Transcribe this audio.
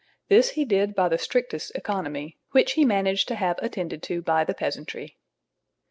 This he did by the strictest economy, which he managed to have attended to by the peasantry.